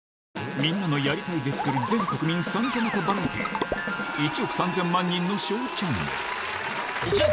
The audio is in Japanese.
みんなの「やりたい」で作る全国民参加型バラエティー『１億３０００万人のＳＨＯＷチャンネル』！